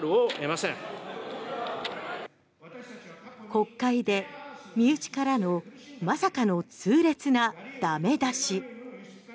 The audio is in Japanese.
国会で身内からのまさかの痛烈な駄目出し。